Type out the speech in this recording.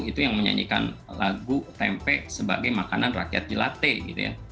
itu yang menyanyikan lagu tempe sebagai makanan rakyat jelate gitu ya